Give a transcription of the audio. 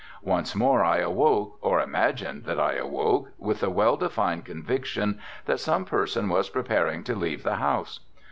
Once more I awoke, or imagined that I awoke, with the well defined conviction that some person was preparing to leave the house.